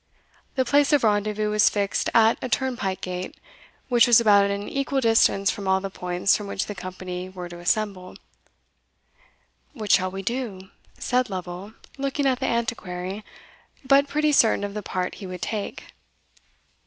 The place of rendezvous was fixed at a turnpike gate, which was about an equal distance from all the points from which the company were to assemble. "What shall we do?" said Lovel, looking at the Antiquary, but pretty certain of the part he would take.